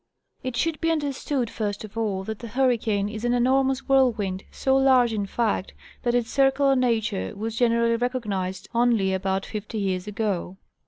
It should be understood, first of all, that a hurricane is an enormous whirlwind, so large, in fact, that its circular nature was generally recognized only about fifty years ago.